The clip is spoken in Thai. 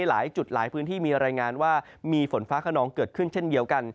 หลายจุดหลายพื้นที่มีรายงานว่ามีฝนฟ้าขนองเกิดขึ้นเช่นเดียวกัน